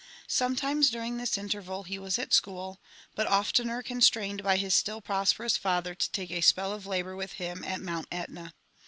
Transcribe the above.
Sometimes during this interval he was at school, but oftener constrained by his still prosperous father to take a spell of labour with him at Mount Etna.